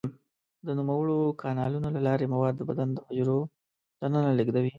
د نوموړو کانالونو له لارې مواد د بدن د حجرو دننه لیږدوي.